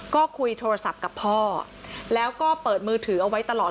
ก็คุยโทรศัพท์กับพ่อแล้วก็เปิดมือถือเอาไว้ตลอด